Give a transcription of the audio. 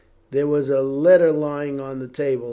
There was a letter lying on the table.